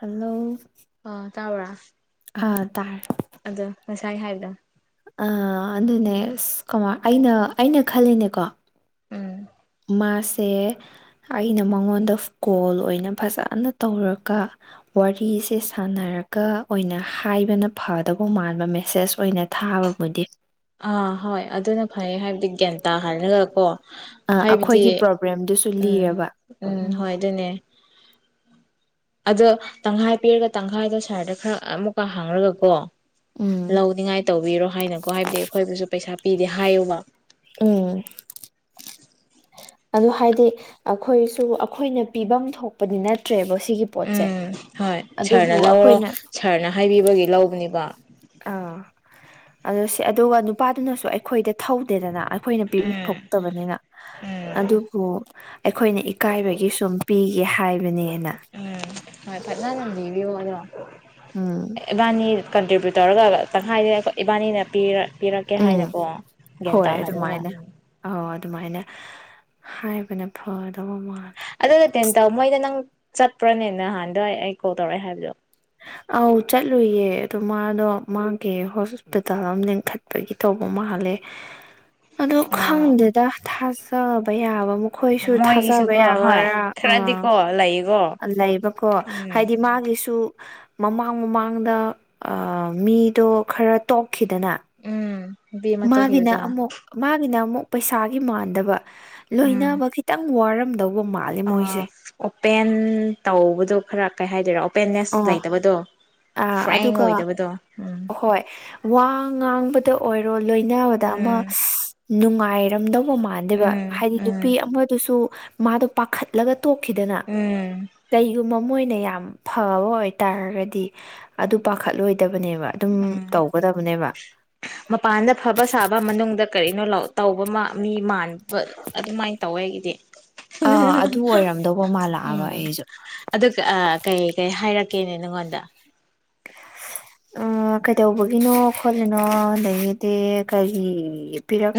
hello ꯇꯕ꯭ꯔ ꯑꯥ ꯇꯔ ꯉꯁꯥꯏ ꯍꯥꯏꯕꯗ ꯑ ꯑꯗꯨꯅꯦ ꯑꯁ ꯀꯃꯥꯔ ꯑꯩꯅ ꯑꯩꯅ ꯈꯜꯂꯤꯅꯦꯀꯣ ꯎꯝ ꯃꯥꯁꯦ ꯑꯩꯅ ꯃꯉꯣꯟꯗ ꯀꯣꯜ ꯑꯣꯏꯅ ꯐꯖꯅ ꯇꯧꯔꯒ ꯋꯥꯔꯤꯁꯦ ꯁꯥꯟꯅꯔꯒ ꯑꯣꯏꯅ ꯍꯥꯏꯕꯅ ꯐꯗꯕ ꯃꯥꯟꯕ ꯃꯦꯁꯦꯁ ꯑꯣꯏꯅ ꯊꯥꯕꯕꯨꯗꯤ ꯕꯤꯒ꯭ꯌꯥꯟ ꯇꯥ ꯍꯥꯏꯅꯒꯀꯣ ꯑꯥ ꯑꯩꯈꯣꯏꯒꯤ ꯄ꯭ꯔꯣꯕ꯭ꯂꯦꯝꯗꯨꯁꯨ ꯎꯝ ꯂꯤꯔꯕ ꯎꯝ ꯍꯣꯏ ꯑꯗꯨꯅꯦ ꯑꯗꯣ ꯇꯪꯈꯥꯏ ꯄꯤꯔꯒ ꯇꯪꯈꯥꯏꯗꯣ ꯁꯔꯗ ꯈꯔ ꯑꯃꯨꯛꯀ ꯍꯥꯡꯉꯒ ꯀꯣ ꯎꯝ ꯂꯧꯅꯤꯡꯉꯥꯏ ꯇꯧꯕꯤꯔꯣ ꯍꯥꯏꯅꯀꯣ ꯍꯥꯏꯕꯗꯤ ꯑꯩꯈꯣꯏꯕꯨꯁꯨ ꯄꯩꯁꯥ ꯄꯤꯔ ꯍꯥꯏꯌꯨꯕ ꯎꯝ ꯑꯗꯨ ꯍꯥꯏꯗꯤ ꯑꯩꯈꯣꯏꯁꯨ ꯑꯩꯈꯣꯏꯅ ꯄꯤꯐꯝ ꯊꯣꯛꯄꯗꯤ ꯅꯠꯇ꯭ꯔꯦꯕ ꯁꯤꯒꯤ ꯄꯣꯠꯁꯦ ꯎꯝ ꯍꯣꯏ ꯑꯗꯨꯕꯨ ꯁꯥꯔꯅ ꯂꯧꯔꯣ ꯑꯩꯈꯣꯏꯅ ꯁꯥꯔꯅ ꯍꯥꯏꯕꯤꯕꯒꯤ ꯂꯧꯕꯅꯦꯕ ꯑꯥ ꯑꯗꯨꯣ ꯁꯤ ꯑꯗꯨꯒ ꯅꯨꯄꯥꯗꯨꯅꯁꯨ ꯑꯩꯈꯣꯏꯗ ꯊꯧꯗꯦꯗꯅ ꯑꯩꯈꯣꯏꯅ ꯄꯤꯐꯝ ꯎꯝ ꯊꯣꯛꯇꯕꯅꯤꯅ ꯎꯝ ꯑꯗꯨꯕꯨ ꯑꯩꯈꯣꯏꯅ ꯑꯀꯥꯏꯕꯒꯤ ꯁꯨꯝ ꯄꯤꯒꯦ ꯍꯥꯏꯕꯅꯦꯅ ꯎꯝ ꯍꯣꯏ ꯐꯖꯅ ꯂꯤꯕꯤꯌꯣ ꯑꯗꯣ ꯎꯝ ꯏꯕꯥꯅꯤ ꯀꯟꯇ꯭ꯔꯤꯕ꯭ꯌꯨꯠ ꯇꯧꯔꯒ ꯇꯪꯈꯥꯏꯗꯦ ꯑꯩꯈꯣꯏ ꯏꯕꯥꯅꯤꯅ ꯄꯤꯔ ꯄꯤꯔꯛꯀꯦ ꯎꯝ ꯍꯥꯏꯅꯀꯣ ꯒ꯭ꯌꯥꯟ ꯍꯣꯏ ꯇꯥꯍꯜꯂꯒ ꯑꯗꯨꯃꯥꯏꯅ ꯑꯧ ꯑꯗꯨꯃꯥꯏꯅ ꯍꯥꯏꯕꯅ ꯐ ꯑꯗꯗꯠꯇ ꯑꯦ ꯇ ꯃꯣꯏꯗ ꯅꯪ ꯆꯠꯄ꯭ꯔꯅꯦ ꯅꯍꯥꯟꯗꯋꯥꯏ ꯑꯩ ꯀꯣꯜ ꯇꯧꯔꯛꯑꯦ ꯍꯥꯏꯕꯗꯣ ꯑꯧ ꯆꯠꯂꯨꯌꯦ ꯑꯗꯨ ꯃꯥꯗꯣ ꯃꯥꯒꯤ ꯍꯣꯁꯄꯤꯇꯥꯜ ꯑꯃ ꯂꯤꯡꯈꯠꯄꯒꯤ ꯇꯧꯕ ꯃꯥꯜꯂꯦ ꯑꯗꯣ ꯑ ꯈꯪꯗꯦꯗ ꯊꯥꯁꯕꯩꯕꯨ ꯑꯩꯈꯣꯏꯁꯨ ꯊꯥꯖꯕ ꯃꯣꯏꯒꯤꯁꯨꯀꯣ ꯍꯣꯏ ꯌꯥꯕꯔꯥ ꯑꯥ ꯈꯔꯗꯤꯀꯣ ꯂꯩꯀꯣ ꯂꯩꯕꯀꯣ ꯎꯝ ꯍꯥꯏꯗꯤ ꯃꯥꯒꯤꯁꯨ ꯃꯃꯥꯡ ꯃꯃꯥꯡꯗ ꯑ ꯃꯤꯗꯣ ꯈꯔ ꯇꯣꯛꯈꯤꯗꯅ ꯎꯝ ꯅꯨꯄꯤ ꯑꯃ ꯃꯥꯒꯤꯅ ꯇꯧꯈꯤꯕꯗꯣ ꯑꯃꯃꯨ ꯃꯥꯒꯤꯅ ꯑꯃꯃꯨ ꯄꯩꯁꯥꯒꯤ ꯃꯥꯟꯗꯕ ꯎꯝ ꯂꯣꯏꯅꯕ ꯈꯤꯇꯪ ꯋꯥꯔꯔꯕ ꯗꯣ ꯎꯧꯕ ꯃꯥꯜꯂꯦ ꯃꯣꯏꯁꯦ ꯄꯦꯟ ꯇꯧꯕꯗꯣ ꯈꯔ ꯀꯩ ꯍꯥꯏꯗꯣꯏꯔꯑꯣ ꯑꯣ ꯍꯄꯦꯟꯅꯁ ꯑꯣ ꯂꯩꯇꯕꯗꯣ ꯑꯥ ꯐ꯭ꯔꯦꯡ ꯑꯗꯨꯒ ꯑꯣꯏꯗꯕꯗꯣ ꯎꯝ ꯍꯣꯏ ꯋꯥ ꯉꯥꯡꯕ ꯗ ꯑꯣꯏꯔꯣꯜ ꯂꯣꯏꯅꯕꯗ ꯑꯃ ꯎꯝ ꯅꯨꯡꯉ ꯍꯥꯏꯔꯝꯗꯣ ꯃꯥꯟꯗꯦꯕ ꯎꯝ ꯍꯥꯏꯗꯤ ꯎꯝ ꯅꯨꯄꯤ ꯑꯃꯗꯨꯁꯨ ꯃꯥꯗꯣ ꯄꯥꯈꯠꯂꯒ ꯇꯣꯛꯈꯤꯗꯅ ꯎꯝ ꯀꯩꯒꯨꯝ ꯃꯣꯏꯅ ꯌꯥꯝ ꯐꯕ ꯑꯣꯏꯇꯥꯔꯒꯗꯤ ꯑꯗꯨ ꯄꯥꯈꯠꯂꯣꯏ ꯎꯝ ꯃꯄꯥꯟꯗ ꯐꯕ ꯁꯥꯕ ꯃꯅꯨꯡꯗ ꯀꯔꯤꯅꯣ ꯂꯥꯛꯑꯣ ꯇꯧꯕ ꯃꯤ ꯃꯥꯟꯕ ꯑꯗꯨꯃꯥꯏꯅ ꯇꯧꯋꯦ ꯑꯩꯒꯤꯗꯤ ꯑꯥ ꯑꯗꯨ ꯑꯣꯏꯔꯝꯗꯧꯕ ꯃꯥꯜꯂꯥꯛꯑꯕ ꯎꯝ ꯑꯩꯁꯨ ꯑꯗꯨ ꯀꯩ ꯀꯩ ꯍꯥꯏꯔꯛꯀꯦꯅꯦ ꯅꯪꯉꯣꯟꯗ ꯀꯩꯗꯧꯕꯒꯤꯅꯣ ꯈꯣꯠꯂꯤꯅꯣ ꯂꯩꯒꯗꯦ ꯀꯔꯤ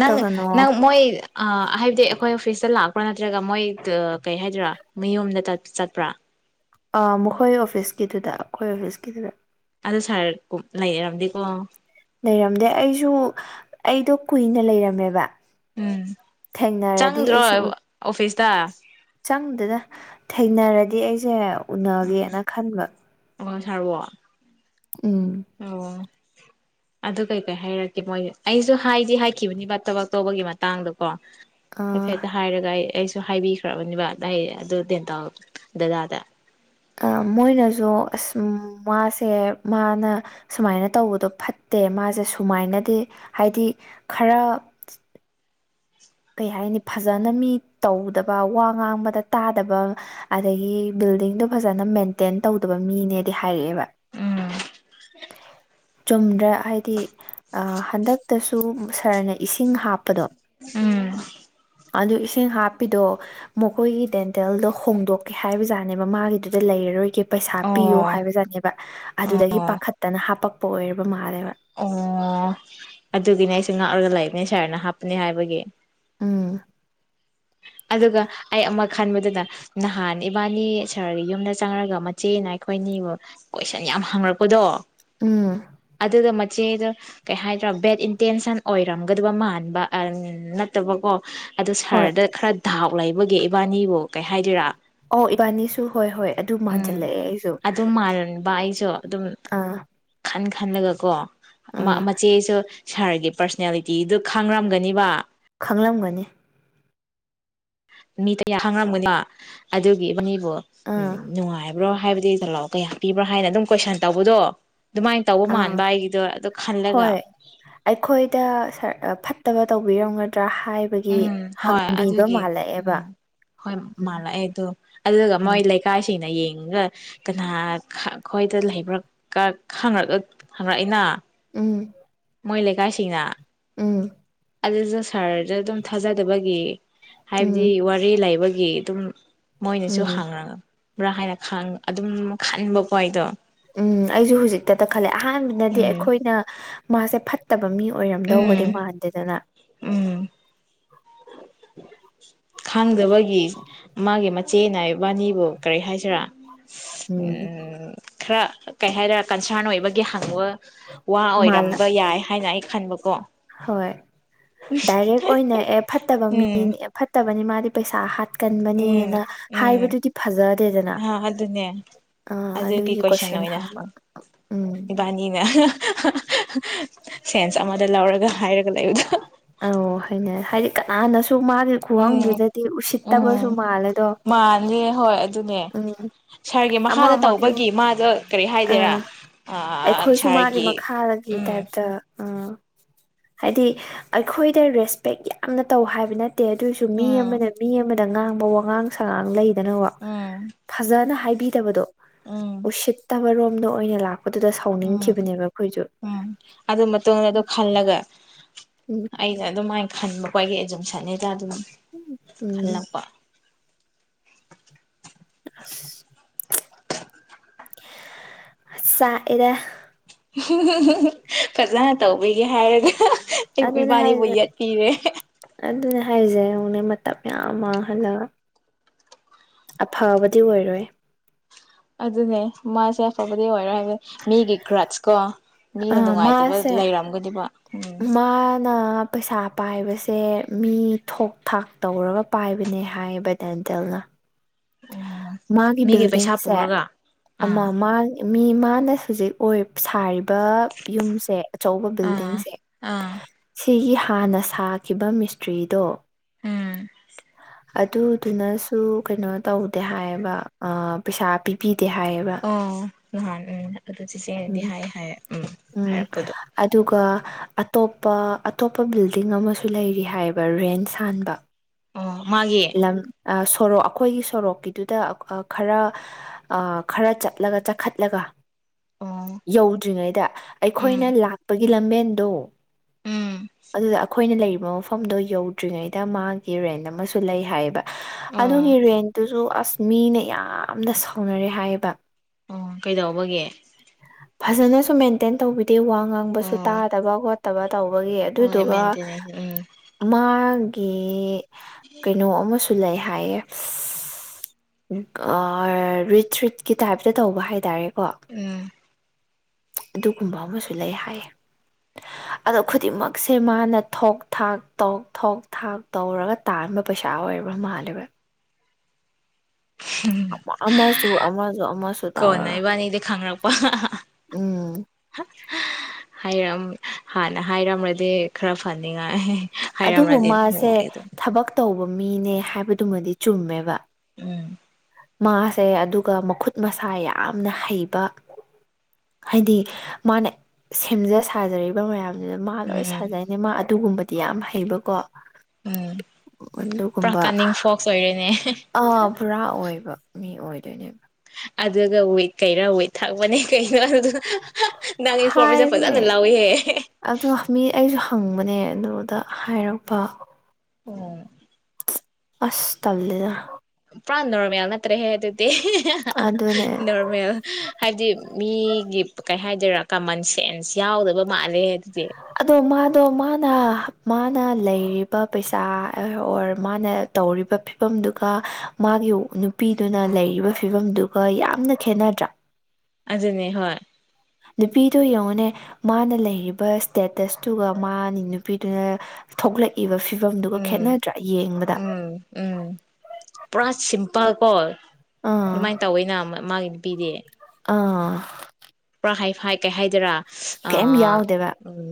ꯅꯪ ꯅꯪ ꯃꯣꯏꯣꯏ ꯑ ꯍꯥꯏꯕꯗꯤ ꯑꯩꯈꯣꯏ ꯑꯣꯐꯤꯁꯇ ꯂꯥꯛꯄ꯭ꯔꯥ ꯅꯠꯇ꯭ꯔꯒ ꯃꯣꯏ ꯀꯩ ꯍꯥꯏꯗꯣꯏꯔꯥ ꯃꯤꯌꯨꯝꯝꯗ ꯆꯠꯄ꯭ꯔꯥ ꯑ ꯃꯈꯣꯏ ꯑꯣꯐꯤꯁꯀꯤꯗꯨꯗ ꯑꯩꯈꯣꯏ ꯑꯣꯐꯤꯁꯀꯤꯗꯨꯗ ꯑꯗꯨ ꯁꯥꯔ ꯂꯩꯌꯦꯔꯝꯗꯤꯀꯣ ꯂꯩꯔꯝꯗꯦ ꯑꯩꯁꯨ ꯑꯩꯗꯣ ꯀꯨꯏꯅ ꯂꯩꯔꯝꯃꯦꯕ ꯎꯝ ꯊꯦꯡꯅꯔꯗꯤ ꯆꯪꯗ꯭ꯔꯣ ꯑꯩꯁꯨ ꯑꯣꯐꯤꯁꯇ ꯆꯪꯗꯅ ꯊꯦꯡꯅꯔꯗꯤ ꯑꯩꯁꯦ ꯎꯅꯒꯦꯅ ꯈꯟꯕ ꯑꯣ ꯁꯥꯔ ꯋꯥꯣ ꯎꯝ ꯑꯣ ꯑꯗꯨ ꯀꯩꯀꯩ ꯍꯥꯏꯔꯛꯀꯦ ꯃꯣꯏ ꯑꯩꯁꯨ ꯍꯥꯏꯗꯤ ꯍꯥꯏꯈꯤꯕꯅꯤꯕ ꯊꯕꯛ ꯇꯧꯕꯒꯤ ꯃꯇꯥꯡꯗ ꯀꯣ ꯑꯥ ꯍꯥꯏꯐꯦꯠꯇ ꯍꯥꯏꯔꯒ ꯑꯩ ꯑꯩꯁꯨ ꯁꯨ ꯍꯥꯏꯕꯤꯈ꯭ꯔꯕꯅꯦꯕ [unintelligible] ꯗꯗꯥꯗ ꯃꯣꯏꯅꯁꯨ ꯑꯁ ꯃꯥꯁꯦ ꯃꯥꯅ ꯁꯨꯃꯥꯏꯅ ꯇꯧꯕꯗꯣ ꯐꯠꯇꯦ ꯃꯥꯁꯦ ꯁꯨꯃꯥꯏꯅꯗꯤ ꯍꯥꯏꯗꯤ ꯈꯔ ꯀꯩ ꯍꯥꯏꯅꯤ ꯐꯖꯅ ꯃꯤ ꯇꯧꯗꯕ ꯋꯥ ꯉꯥꯡꯕꯗ ꯇꯥꯗꯕ ꯑꯗꯒꯤ ꯕꯤꯜꯗꯤꯡꯗꯣ ꯐꯖꯅ ꯃꯦꯟꯇꯦꯟ ꯇꯧꯗꯕ ꯃꯤꯅꯦꯗꯤ ꯍꯥꯏꯔꯛꯑꯦꯕ ꯎꯝ ꯆꯨꯝꯗ꯭ꯔꯥ ꯍꯥꯏꯗꯤ ꯍꯟꯗꯛꯇꯁꯨ ꯁꯥꯔꯅ ꯏꯁꯤꯡ ꯍꯥꯞꯄꯗꯣ ꯎꯝ ꯑꯗꯨ ꯏꯁꯤꯡ ꯍꯥꯞꯄꯤꯗꯣ ꯃꯈꯣꯏꯒꯤ ꯗꯦꯟꯇꯦꯜꯗꯣ ꯍꯣꯡꯗꯣꯛꯀꯦ ꯍꯥꯏꯕꯖꯥꯠꯅꯦꯕ ꯃꯥꯒꯤꯗꯨꯗ ꯂꯩꯔꯔꯣꯏꯒꯦ ꯄꯩꯁꯥ ꯄꯤꯌꯣ ꯑꯣ ꯍꯥꯏꯕꯖꯥꯠꯅꯦꯕ ꯑꯗꯨꯗꯒꯤ ꯑꯣ ꯄꯥꯈꯠꯇꯅ ꯍꯥꯄꯛꯄ ꯑꯣꯏꯔꯕ ꯃꯥꯜꯂꯦꯕ ꯑꯣ ꯅꯦ ꯁꯥꯔꯅ ꯍꯥꯞꯄꯅꯤ ꯍꯥꯏꯕꯒꯤ ꯎꯝ ꯑꯗꯨꯒ ꯑꯩ ꯑꯃ ꯈꯟꯕꯗꯨꯗ ꯅꯍꯥꯟ ꯏꯕꯥꯅꯤ ꯁꯥꯔꯒꯤ ꯌꯨꯝꯗ ꯆꯪꯉꯒ ꯃꯆꯦꯅ ꯑꯩꯈꯣꯏꯅꯤꯕꯨ ꯀꯣꯏꯁꯟ ꯌꯥꯝ ꯍꯪꯪꯔꯛꯄꯗꯣ ꯎꯝ ꯑꯗꯨꯗ ꯃꯆꯦꯗ ꯀꯩ ꯍꯥꯏꯗ꯭ꯔꯥ ꯕꯦꯠ ꯏꯟꯇꯦꯟꯁꯟ ꯑꯣꯏꯔꯝꯒꯗꯕ ꯃꯥꯟꯕ ꯅꯠꯇꯕꯀꯣ ꯑꯗꯣ ꯍꯣꯏ ꯁꯥꯔꯗ ꯈꯔ ꯗꯥꯎ ꯂꯩꯕꯒꯤ ꯏꯕꯥꯅꯤꯕꯨ ꯀꯩ ꯍꯥꯏꯗꯣꯏꯔꯥ ꯑꯣ ꯏꯕꯥꯅꯤꯁꯨ ꯍꯣꯏ ꯍꯣꯏ ꯑꯗꯨ ꯎꯝ ꯃꯥꯟꯁꯤꯜꯂꯛꯑꯦ ꯑꯩꯁꯨ ꯑꯗꯨꯝ ꯃꯥꯟꯕ ꯑꯥ ꯈꯜꯂꯒ ꯀꯣ ꯃ ꯑꯥ ꯃꯆꯦꯁꯨ ꯁꯥꯔꯒꯤ ꯄꯥꯔꯁꯅꯦꯂꯤꯇꯤꯗꯨ ꯈꯥꯡꯔꯝꯒꯅꯤꯕ ꯈꯪꯂꯝꯒꯅꯤ ꯃꯤ [unintelligible] ꯑꯗꯨꯒꯤ ꯎꯝ ꯑꯥ ꯅꯨꯡꯉꯥꯏ ꯍꯥꯏꯕꯗꯤ ꯇꯣꯂꯞ ꯀꯌꯥ ꯍꯥ ꯄꯤꯕ꯭ꯔꯣ ꯍꯥꯏꯅ ꯑꯗꯨꯝ ꯀꯣꯏꯁꯟ ꯇꯧꯕꯗꯣ ꯑꯗꯨꯃꯥꯏꯅ ꯇꯧꯕ ꯑꯥ ꯃꯥꯟꯕ ꯑꯩꯒꯤꯗꯣ ꯑꯗꯨ ꯈꯜꯂꯒ ꯍꯣꯏ ꯑꯩꯈꯣꯏꯗ ꯁꯥꯔ ꯑ ꯐꯠ ꯇꯕ ꯇꯧꯕꯤꯔꯝꯒꯗ ꯎꯝ ꯍꯣꯏ ꯑꯗꯨꯒꯤ ꯃꯥꯜꯂꯛꯑꯦꯕ ꯎꯝ ꯍꯣꯏ ꯎꯝ ꯃꯥꯜꯂꯑꯦ ꯑꯗꯨ ꯑꯗꯨꯒ ꯎꯝ ꯃꯣꯏ ꯂꯩꯀꯥꯏꯁꯤꯡꯅ ꯌꯦꯡꯉ ꯀꯅꯥ ꯈ ꯈꯣꯏꯗ ꯂꯩꯕ꯭ꯔ ꯈ ꯈꯪ ꯍꯪꯔꯛꯏꯅ ꯎꯝ ꯃꯣꯏ ꯂꯩꯀꯥꯏ ꯁꯤꯡꯅ ꯎꯝ ꯑꯗꯨꯁꯨ ꯁꯥꯔꯗ ꯑꯗꯨꯝ ꯊꯥꯖꯗꯕꯒꯤ ꯍꯥꯏꯕꯗꯤ ꯎꯝ ꯋꯥꯔꯤ ꯂꯩꯕ [inaudible] ꯑꯗꯨꯝ ꯃꯣꯏꯅꯁꯨ ꯎꯝ ꯍꯡꯔꯛ ꯕ꯭ꯔꯥ ꯍꯥꯏꯅ ꯈꯟ ꯑꯗꯨꯝ ꯈꯟꯕꯀꯣ ꯑꯩꯗꯣ ꯎꯝ ꯑꯩꯁꯨ ꯍꯧꯖꯤꯛꯇꯗ ꯈꯜꯂꯦ ꯑꯍꯥꯟꯕꯅꯗꯤ ꯎꯝ ꯑꯩꯈꯣꯏꯅ ꯃꯍꯥꯛꯁꯦ ꯐꯠꯇ ꯑꯣꯏꯔꯝꯗꯧꯕꯗꯤ ꯎꯝ ꯃꯥꯟꯗꯦꯗꯅ ꯈꯥꯡꯗꯕ ꯃꯥꯒꯤ ꯏꯆꯦꯅ ꯏꯕꯥꯅꯤꯕꯨ ꯀꯔꯤ ꯍꯥꯏꯁꯤꯔꯥ ꯎꯝ ꯈꯔ ꯀꯩ ꯍꯥꯏꯔꯛꯦ ꯀꯟꯁꯔꯟ ꯑꯣꯏꯕꯒꯤ ꯍꯪꯕ ꯋꯥ ꯃꯥꯜꯂ ꯑꯣꯏꯔꯝꯕ ꯌꯥꯏ ꯍꯥꯏꯅ ꯑꯩ ꯈꯥꯟꯕꯕ ꯍꯣꯏ ꯗꯥꯏꯔꯦꯛ ꯑꯣꯏꯅ ꯑꯦ ꯐꯠꯇꯕ ꯃꯤ ꯎꯝ ꯐꯠꯇꯕꯅꯤ ꯃꯥꯗꯤ ꯄꯩꯁꯥ ꯍꯥꯠ ꯎꯝ ꯎꯝ ꯐꯖꯗꯦꯗꯅ ꯑ ꯑꯗꯨꯅꯦ ꯑꯗꯨꯒꯤ ꯀꯣꯏꯁꯟ ꯑꯣꯏꯅꯪ ꯎꯝ ꯏꯕꯥꯅꯤꯅ ꯁꯦꯟꯁ ꯑꯃꯗ ꯂꯧꯔꯒ ꯍꯥꯏꯔꯒ ꯂꯩꯕꯗꯣ ꯑ ꯍꯥꯏꯅ ꯍꯥꯏꯗꯤ ꯀꯅꯥꯅ ꯁꯨ ꯃꯥꯒꯤ ꯈꯒꯪꯗꯨꯗꯗꯤ ꯎꯁꯤꯠ ꯇꯕꯁꯨ ꯃꯥꯂ ꯃꯥꯅꯦ ꯍꯣꯏ ꯑꯗꯨꯅꯦ ꯁꯥꯔꯒꯤ ꯑꯃ ꯃꯈꯥꯗ ꯑꯃꯁꯨ ꯇꯧꯕꯒꯤ ꯃꯥꯗ ꯀꯔꯤ ꯍꯥꯏꯗꯦꯔꯥ ꯑꯥ ꯑꯩꯈꯣꯏꯁꯨ ꯁꯥꯔꯒꯤ ꯎꯝ ꯎꯝ ꯍꯥꯏꯗꯤ ꯑꯩꯈꯣꯏꯗ ꯔꯦꯁꯄꯦꯛ ꯌꯥꯝꯅ ꯇꯧ ꯍꯥꯏꯕ ꯅꯠꯇ ꯇꯦ ꯑꯗꯨꯏꯁꯨ ꯃꯤ ꯎꯝ ꯑꯃꯅ ꯃꯤ ꯑꯃꯅ ꯗ ꯉꯥꯡꯕ ꯋꯥꯉꯥꯡ ꯁꯉꯥꯡ ꯂꯩꯗꯅ ꯋꯥ ꯑꯝ ꯕꯤꯗꯕꯗꯣ ꯎꯁꯤꯇꯕꯥꯔꯣꯝ ꯗ ꯑꯣꯏꯅ ꯂꯥꯛꯄ ꯑꯗꯨꯗ ꯎꯝ ꯁꯥꯎꯅꯤꯡꯈꯤꯕꯅꯦꯕ ꯑꯩꯈꯣꯏꯁꯨ ꯎꯝ ꯎꯝ ꯑꯩꯗ ꯑꯗꯨ ꯃꯥꯥꯏ ꯈꯟꯕ ꯑꯩꯒꯤ ꯑꯦꯖꯨꯃꯁꯟ ꯑꯗꯨꯝ ꯁꯠꯅꯩꯗ ꯑꯗꯨꯝ ꯎꯝ ꯑꯟꯑꯣꯗꯤꯕꯜ [inaudible] ꯆꯥꯛꯑꯗ ꯐꯖꯅ ꯇꯧꯕꯤꯒꯦ ꯍꯥꯏꯔꯒ ꯑꯗꯨꯅ ꯏꯕꯅꯤꯕꯨ ꯌꯦꯠ ꯄꯤꯔꯦ ꯍꯥꯏꯁꯦ ꯌꯦꯡꯎꯅꯦ ꯃꯇꯝ ꯌꯥꯝꯌꯥꯝ ꯃꯥꯡꯍꯜꯂꯒ ꯑꯐꯕꯗꯤ ꯑꯣꯏꯔꯣꯏ ꯑꯗꯨꯅꯦ ꯃꯥꯁꯦ ꯑꯐꯕꯗꯤ ꯑꯣꯏꯔꯣꯏ ꯃꯤꯒꯤꯈ꯭ꯔꯥꯖꯀꯣ ꯃꯤꯅ ꯅꯨꯡꯉꯥꯏꯇꯕ ꯃꯥꯁꯦ ꯂꯩꯔꯝꯒꯗꯤ ꯋꯥ ꯃꯥꯅ ꯄꯩꯁꯥ ꯄꯥꯏꯕꯁꯦ ꯃꯤ ꯊꯣꯛ ꯊꯥꯛ ꯇꯧꯔꯒ ꯄꯥꯏꯕꯅꯦ ꯍꯥꯏꯌꯦꯕ ꯗꯦꯟꯇꯦꯜꯅ ꯑꯣ ꯃꯥꯒꯤ ꯃꯤꯒꯤ ꯄꯩꯁꯥ ꯕꯤꯜꯗꯤꯡꯁꯦ ꯄꯨꯔꯒ ꯑꯃ ꯑꯥ ꯃꯥ ꯃꯤ ꯃꯥꯅ ꯍꯧꯖꯤꯛ ꯑꯣꯏ ꯁꯥꯔꯤꯕ ꯌꯨꯝꯁꯦ ꯑꯆꯧꯕ ꯑꯥ ꯕꯤꯜꯗꯤꯡꯁꯦ ꯑꯥ ꯁꯤꯒꯤ ꯍꯥꯟꯅ ꯁꯥꯈꯤꯕ ꯃꯤꯁꯇ꯭ꯔꯤꯗꯣ ꯎꯝ ꯑꯗꯨꯗꯨꯅꯁꯨ ꯀꯩꯅꯣ ꯇꯧꯗꯦ ꯍꯥꯏꯌꯦꯕ ꯄꯩꯁꯥ ꯄꯤꯕꯤ ꯗꯦ ꯍꯥꯏꯌꯦꯕ ꯎ ꯎꯝ ꯑꯗꯨꯣ ꯆꯦꯆꯦꯡꯅꯗꯤ ꯎꯝ ꯍꯥꯏ ꯍꯥꯏ ꯎꯝ ꯎꯝ ꯍꯥꯏꯔꯛꯄꯗꯣ ꯑꯗꯨꯒ ꯑꯇꯣꯞꯄ ꯑꯇꯣꯞꯄ ꯕꯤꯜꯗꯤꯡ ꯑꯃꯁꯨ ꯂꯩꯔꯤ ꯍꯥꯏꯕ ꯔꯦꯟ ꯁꯥꯟꯕ ꯑ ꯃꯥꯒꯤꯦ ꯂꯝ ꯁꯣꯔꯣꯛ ꯑꯩꯈꯣꯏꯒꯤ ꯁꯣꯔꯣꯛꯀꯤꯗꯨꯗ ꯈꯔ ꯈꯔ ꯆꯠꯂꯒ ꯆꯈꯠꯂꯒ ꯑꯣ ꯌꯧꯗ꯭ꯔꯤꯉꯩꯗ ꯑꯩꯈꯣꯏꯅ ꯎꯝ ꯂꯥꯛꯄꯒꯤ ꯂꯝꯕꯦꯟ ꯍꯗꯨ ꯎꯝ ꯑꯗꯨꯗ ꯑꯩꯈꯣꯏꯅ ꯂꯩꯔꯤꯕ ꯃꯐꯝꯗꯣ ꯌꯧꯗ꯭ꯔꯤꯉꯩꯗ ꯃꯥꯒꯤ ꯔꯦꯟ ꯑꯃꯁ ꯁꯨ ꯂꯩ ꯍꯥꯏꯌꯦꯕ ꯑꯗꯨꯒꯤ ꯑꯣ ꯔꯦꯟ ꯇꯨꯁꯨ ꯑ ꯃꯤꯅ ꯌꯥꯝꯅ ꯁꯥꯎꯅꯔꯦ ꯍꯥꯏꯌꯦꯕ ꯑꯣ ꯀꯩꯗꯧꯕꯒꯦ ꯐꯖꯅꯁꯨ ꯃꯦꯟꯇꯦꯟ ꯇꯧꯕꯤ ꯑꯗꯩ ꯋꯥ ꯉꯥꯡꯕꯁꯨ ꯑꯣ ꯇꯥꯗꯕꯣ ꯇꯕ ꯇꯧꯕꯒꯤ ꯍꯣꯏ ꯑꯗꯨꯏꯗꯨꯒ ꯃꯦꯟꯇꯦꯅꯦꯟꯁ ꯎꯝ ꯃꯥ ꯒꯤ ꯀꯩꯅꯣ ꯑꯃꯁꯨꯡ ꯁꯨ ꯂꯩ ꯍꯥꯏꯌꯦ ꯔꯤꯠ ꯔꯤꯠꯀꯤ ꯇꯥꯏꯞꯇ ꯇꯧꯕ ꯍꯥꯏꯇꯥꯔꯦ ꯋꯥ ꯎꯝ ꯑꯗꯨꯒꯨꯝꯕ ꯑꯃꯁꯨ ꯂꯩ ꯍꯥꯏꯌꯦ ꯑꯗꯣ ꯈꯨꯗꯤꯡꯃꯛꯁꯦ ꯃꯥꯅ ꯊꯣꯛ ꯊꯥꯛ ꯇꯣꯛ ꯊ ꯊꯣꯛ ꯊꯥꯛ ꯇꯧꯔꯒ ꯇꯥꯟꯕ ꯄꯩꯁꯥ ꯑꯣꯏꯕ꯭ꯔꯥ ꯃꯥꯜꯂꯦꯕ꯭ꯔ ꯝ ꯑꯃꯁꯨ ꯑꯃꯁꯨ ꯑꯃꯁꯨ ꯀꯣꯟꯅ ꯇꯧꯔꯒ ꯏꯕꯥꯅꯤꯗꯤ ꯈꯪꯔꯛꯄ ꯎꯝ ꯍꯥꯏꯔ ꯍꯥꯟꯅ ꯍꯥꯏꯔꯝꯃ꯭ꯔꯗꯤ ꯈꯔ ꯐꯅꯤꯡꯉꯥꯏ ꯑꯗꯨꯕꯨ ꯍꯥꯏꯔꯝ꯭ꯔꯗꯤ ꯃꯥꯁꯦ ꯅꯨꯡꯉꯥꯏ ꯑꯗꯨꯝ ꯊꯕꯛ ꯇꯧꯕ ꯃꯤꯅꯦ ꯍꯥꯏꯕꯗꯨꯃꯗꯤ ꯆꯨꯝꯃꯦꯕ ꯎꯝ ꯃꯥꯁꯦ ꯑꯗꯨꯒ ꯃꯈꯨꯠ ꯃꯁꯥ ꯌꯥꯝꯅ ꯍꯩꯕ ꯍꯥꯏꯗꯤ ꯃꯥꯅ ꯁꯦꯝꯖ ꯁꯥꯖꯔꯤꯕ ꯃꯌꯥꯝ ꯑꯗꯨꯗ ꯃꯥ ꯂꯣꯏ ꯎꯝ ꯁꯥꯖꯩꯅꯦ ꯃꯥ ꯑꯗꯨꯒꯨꯝꯕꯗꯤ ꯌꯥꯝ ꯍꯩꯕꯀꯣ ꯎꯝ ꯄꯨꯔꯥ ꯀꯥꯅꯤꯡ ꯐꯣꯛꯁ ꯑꯣꯏꯔꯦꯅꯦ ꯑ ꯄꯨꯔꯥ ꯑꯣꯏꯕ ꯃꯤ ꯑꯣꯏꯗꯣꯏꯅꯦꯕ ꯑꯗꯨꯒ ꯎꯣꯏꯠ ꯀꯩꯔꯥ ꯎꯋꯠ ꯊꯛꯕꯅꯦ ꯀꯩꯅꯣ ꯑꯗꯨꯗ ꯅꯪ ꯏ ꯐꯣꯔꯃꯦꯁꯦ ꯐꯖꯅ ꯍꯥꯏꯕꯅꯦ ꯂꯥꯎꯏꯍꯦ ꯅꯦ ꯑꯗꯨꯗ ꯍꯥꯏꯔꯛꯄ ꯑꯣ ꯑꯁ ꯇꯝꯗ ꯄ꯭ꯔꯥꯟ ꯅꯣꯃꯦꯅꯠꯇꯦ ꯍꯦ ꯑꯗꯨꯅꯦ ꯅꯣꯔꯃꯦꯜ ꯍꯥꯏꯕꯗꯤ ꯃꯤꯒꯤ ꯀꯩ ꯍꯥꯏꯗꯣꯏꯔꯥ ꯀꯃꯟ ꯁꯦꯟꯁ ꯌꯥꯎꯗꯕ ꯃꯥꯜꯂꯦ ꯑꯗꯨꯗꯤ ꯑꯗꯣ ꯃꯥꯗꯣ ꯃꯥꯅ ꯃꯥꯅ ꯂꯩꯔꯤꯕ ꯄꯩꯁꯥ ꯑꯣꯔ ꯃꯥꯅ ꯇꯧꯔꯤꯕ ꯐꯤꯕꯝꯗꯨꯒ ꯃꯥꯒꯤ ꯅꯨꯄꯤꯗꯨꯅ ꯂꯩꯔꯤꯕ ꯐꯤꯕꯝꯗꯨꯒ ꯌꯥꯝꯅ ꯈꯦꯠꯅꯗ꯭ꯔꯥ ꯑꯖꯅꯤ ꯍ ꯅꯨꯄꯤꯗꯨꯣ ꯌꯦꯡꯉꯨꯅꯦ ꯃꯥꯅ ꯂꯩꯔꯤꯕ ꯏꯁꯇꯦꯇꯁꯇꯨꯒ ꯃꯥꯅꯤ ꯅꯨꯄꯤꯗꯨꯅ ꯊꯣꯛꯂꯛꯏꯕ ꯐꯤꯕꯝꯗꯨꯒ ꯎꯝ ꯈꯦꯠꯅꯗ꯭ꯔꯥ ꯌꯦꯡꯕꯗ ꯎꯝ ꯇ ꯀ ꯑꯥ ꯑꯗꯨꯃꯥꯏꯅ ꯇꯧꯋ ꯅ ꯃꯥꯒꯤ ꯄꯤꯔꯦ ꯑꯥ ꯐꯔ ꯍꯥꯏ ꯐꯥꯏ ꯀꯩ ꯍꯥꯏꯗꯔꯥ ꯀꯩꯝ ꯑꯥ ꯌꯥꯎꯗꯦꯕ ꯎꯝ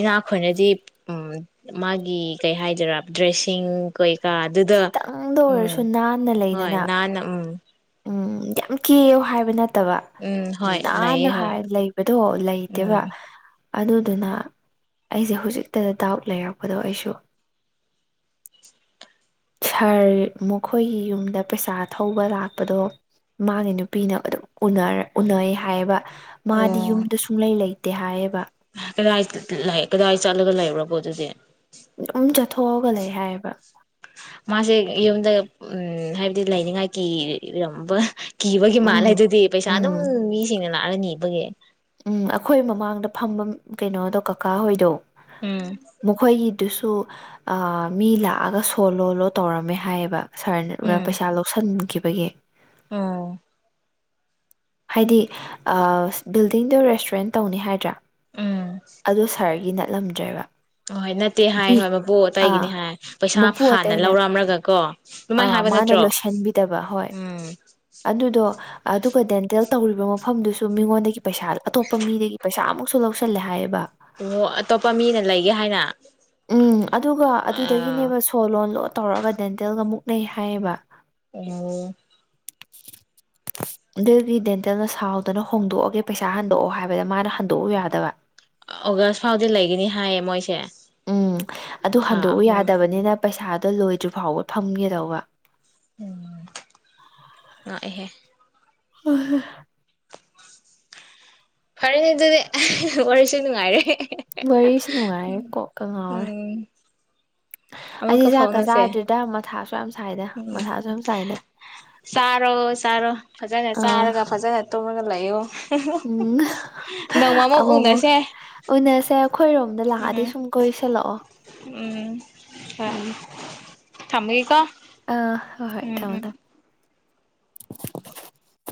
ꯏꯅꯥꯈꯣꯏꯅꯗꯤ ꯃꯥꯒꯤ ꯀꯩ ꯍꯥꯏꯗꯣꯏꯔ ꯗ꯭ꯔꯦꯁꯤꯡ ꯀꯣꯏ ꯀ ꯑꯗꯨꯗ ꯈꯤꯇꯪꯗ ꯎꯝ ꯑꯣꯏꯔꯁꯨ ꯅꯥꯟꯅ ꯍꯣꯏ ꯂꯩꯗꯅ ꯍꯥꯟꯅ ꯎꯝ ꯎꯝ ꯌꯥꯝ ꯀꯦꯌꯨ ꯍꯥꯏꯕ ꯅꯠꯇꯦ ꯅꯠꯇꯕ ꯎꯝ ꯍꯣꯏ ꯅꯥꯅ ꯂꯩꯌꯦ ꯍꯣꯏ ꯍꯥꯏ ꯂꯩꯕꯗꯣ ꯂꯩꯇꯦꯕ ꯎꯝ ꯑꯗꯨꯗꯨꯅ ꯑꯩꯁꯦ ꯍꯧꯖꯤꯛꯇꯗ ꯗꯥꯎꯠ ꯂꯩꯔꯛꯄꯗꯣ ꯑꯩꯁꯨ ꯁꯥꯔ ꯃꯈꯣꯏꯒꯤ ꯌꯨꯝꯗ ꯄꯩꯁꯥ ꯊꯧꯕ ꯂꯥꯛꯄꯗꯣ ꯃꯥꯒꯤ ꯅꯨꯄꯤꯅ ꯑꯗꯨꯝꯔ ꯎꯅꯩ ꯍꯥꯏꯕ ꯃꯥꯗꯤ ꯑꯣ ꯌꯨꯝꯗ ꯁꯨꯡꯂꯩ ꯂꯩ ꯇꯤ ꯍꯥꯏꯌꯦꯕ ꯀꯗꯥꯏ ꯀꯗꯥꯏ ꯆꯠꯂꯒ ꯂꯩꯕꯔꯕꯣ ꯑꯗꯨꯗꯤ ꯑꯗꯨꯝ ꯆꯠꯊꯣꯛꯑꯒ ꯂꯩ ꯍꯥꯏꯌꯦꯕ ꯃꯥꯁꯦ ꯌꯨꯝꯗ ꯎꯝ ꯍꯥꯏꯕꯗꯤ ꯂꯩꯥꯏꯅꯤꯡꯉꯥꯏ ꯀꯔꯝꯕ ꯀꯤꯕꯒꯤ ꯎꯝ ꯃꯥꯜꯂꯦꯗꯨꯗꯤ ꯄꯩꯁꯥ ꯎꯝ ꯑꯗꯨꯝ ꯃꯤꯁꯤꯡꯅꯅ ꯂꯅꯥꯅꯤ ꯏꯕꯒꯦ ꯎꯝ ꯑꯩꯈꯣꯏ ꯃꯃꯥꯡꯗ ꯐꯝꯕ ꯀꯩꯅꯣꯗꯣ ꯀꯀꯥ ꯍꯣꯏꯗꯣ ꯎꯝ ꯃꯈꯣꯏꯒꯤ ꯑꯗꯨꯁꯨ ꯃꯤ ꯂꯥꯛꯑꯒ ꯁꯣꯜꯂꯣꯜꯂꯣ ꯇꯧꯔꯝꯃꯦ ꯍꯥꯏꯌꯦꯕ ꯁꯥꯔꯅ ꯄꯩꯁꯥ ꯂꯧꯁꯤꯟꯈꯤꯕ ꯑꯩꯈꯣꯏꯒꯤ ꯑ ꯍꯥꯏꯗꯤ ꯕꯤꯜꯗꯤꯡꯗ ꯔꯦꯁꯇꯨꯔꯦꯟ ꯇꯧꯅꯤ ꯍꯥꯏꯗ꯭ꯔꯥ ꯎꯝ ꯑꯣ ꯁꯥꯔꯒꯤꯅ ꯂꯝꯖ꯭ꯔꯕ ꯑꯍꯣꯏ ꯅꯠꯇꯦ ꯍꯥꯏ ꯍꯣꯏ ꯃꯄꯣꯛ ꯑꯇꯒꯤꯅꯤ ꯑꯥ ꯍꯥꯏ ꯄꯩꯁꯥ ꯃꯄꯨ ꯐꯥꯟꯅ ꯑꯇꯩꯅ ꯂꯧꯔꯝꯂꯒ ꯀꯣ ꯑꯗꯨꯃꯥꯏꯅ ꯑꯥ ꯍꯥꯏꯕ ꯃꯥꯅ ꯅꯠꯇ꯭ꯔꯣ ꯂꯣꯏꯁꯤꯟꯕꯤꯗꯕ ꯍꯣꯏ ꯎꯝ ꯑꯗꯨꯗꯣ ꯑꯗꯨꯒ ꯗꯦꯟꯇꯦꯜ ꯇꯧꯔꯤꯕ ꯃꯐꯝꯗꯨꯁꯨ ꯃꯤꯉꯣꯟꯗꯒꯤ ꯄꯩꯁꯥ ꯑꯇꯣꯞꯄ ꯃꯤꯗꯒꯤ ꯄꯩꯁꯥꯃꯨꯛꯁꯨ ꯂꯧꯁꯜꯂꯦ ꯍꯥꯏꯌꯦꯕ ꯑꯣ ꯑꯇꯣꯞꯄ ꯃꯤꯅ ꯂꯩꯒꯦ ꯍꯥꯏꯅ ꯎꯝ ꯑꯗꯨꯒ ꯑꯣ ꯑꯗꯨꯗꯒꯤꯅꯦꯕ ꯁꯣ ꯂꯣꯟ ꯂꯣ ꯇꯧꯔꯒ ꯗꯦꯟꯇꯦꯜꯒ ꯃꯨꯛ ꯅꯩ ꯍꯥꯏꯌꯦꯕ ꯑ ꯗꯦꯜꯒꯤ ꯗꯦꯟꯇꯦꯜꯅ ꯁꯥꯎꯗꯅ ꯍꯣꯡꯗꯣꯛꯑꯒꯦ ꯄꯩꯁꯥ ꯍꯟꯗꯣꯛꯑꯣ ꯍꯥꯏꯕꯗ ꯃꯥꯅ ꯍꯟꯗꯣꯛꯎ ꯌꯥꯗꯕ ꯑꯣꯒꯁ ꯐꯥꯎꯗꯤ ꯂꯩꯒꯅꯤ ꯍꯥꯏꯌꯦ ꯃꯣꯏꯁꯦ ꯎꯝ ꯑꯗꯨ ꯊꯥ ꯍꯟꯗꯣꯛꯎ ꯑꯍꯨꯝ ꯌꯥꯗꯕꯅꯤꯅ ꯄꯩꯁꯥꯗꯣ ꯂꯣꯏꯗ꯭ꯔꯤ ꯐꯥꯎꯕ ꯐꯝꯒꯦꯗꯧꯕ ꯉꯥꯛꯑꯦꯍꯦ ꯍ ꯐꯔꯦꯅꯦ ꯑꯗꯨꯗꯤ ꯋꯥꯔꯤꯁꯨ ꯅꯨꯡꯉꯥꯏꯔꯦ ꯋꯥꯔꯤꯁꯨ ꯅꯨꯡꯉꯥꯏꯔꯦ ꯀꯣ ꯀꯉꯥꯎꯔꯦ ꯎꯝ ꯑꯃꯨꯛꯀ ꯐꯥꯎꯅꯁꯦ ꯃꯊꯥꯁꯨ ꯌꯥꯝ ꯁꯥꯏꯗ ꯎꯝ ꯃꯊꯥꯁꯨ ꯌꯥꯝ ꯁꯥꯏꯗ ꯆꯥꯔꯣ ꯆꯥꯔꯣ ꯐꯖꯅ ꯑꯥ ꯆꯥꯔꯒ ꯐꯖꯅ ꯇꯨꯝꯒ ꯂꯌꯑꯣ ꯎꯝ ꯑꯃꯣ ꯑꯃꯣ ꯎꯅꯁꯦ ꯎꯅꯁꯦ ꯑꯩꯈꯣꯏꯔꯣꯝ ꯗ ꯂꯥꯗꯤ ꯎꯝ ꯁꯨꯝ ꯀꯁꯂꯣꯑꯣ ꯎ ꯊꯃꯒꯀꯣ ꯑꯥ ꯍꯣꯏ ꯍꯣꯏ ꯇꯃꯅ [unintelligible]